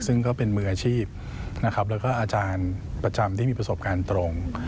ซึ่งก็เป็นมืออาชีพนะครับแล้วก็อาจารย์ประจำที่มีประสบการณ์ตรง